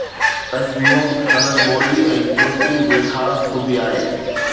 تشبيهون سندس ٻولي ۽ چوڻيءَ جي خاص خوبي آهن